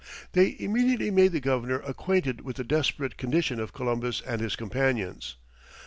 They immediately made the governor acquainted with the desperate condition of Columbus and his companions.